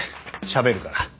しゃべるから。